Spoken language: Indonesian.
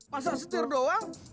masa setir doang